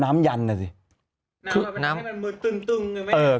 น้ำมันไม่ได้ให้มันเบอร์ตึงใช่ไหม